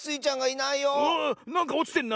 なんかおちてんな！